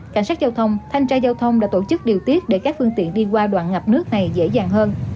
cảnh sát giao thông thanh tra giao thông đã tổ chức điều tiết để các phương tiện đi qua đoạn ngập nước này dễ dàng hơn